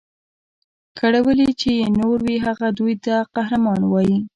کړولي چي یې نور وي هغه دوی ته قهرمان وي